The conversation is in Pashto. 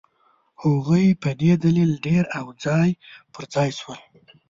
هغوی په دې دلیل ډېر او ځای پر ځای شول.